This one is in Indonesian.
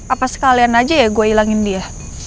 apa sekalian aja ya gue hilangin dia